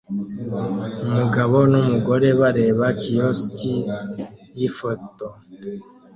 Umugabo numugore bareba kiosk yifoto